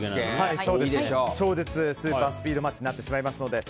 超絶スーパースピードマッチになってしまいますので。